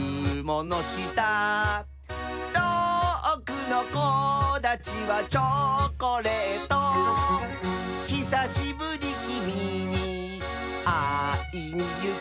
「とおくのこだちはチョコレート」「ひさしぶりきみにあいにゆく」